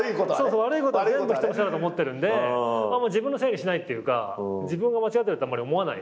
悪いことは人のせいだと思ってるんで自分のせいにしないっていうか自分が間違ってるってあんまり思わない。